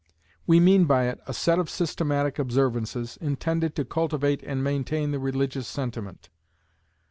We mean by it, a set of systematic observances, intended to cultivate and maintain the religious sentiment.